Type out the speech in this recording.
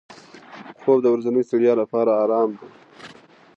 خوب د ورځني ستړیا لپاره آرام دی